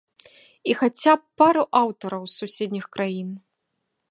І хаця б пару аўтараў з суседніх краін.